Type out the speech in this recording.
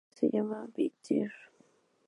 Uno de ellos se llama "Be There".